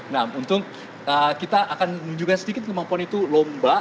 nah untung kita akan menunjukkan sedikit kemampuan itu lomba